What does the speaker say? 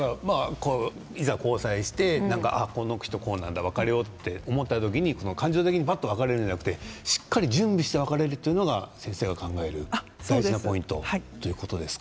いざ交際して別れようと思った時に感情的に別れるんじゃなくてしっかり準備して別れるというのが大事なポイントということですか。